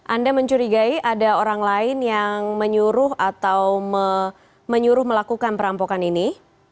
anda mencurigai ada orang lain yang menyuruh atau menyuruh melakukan perampokan ini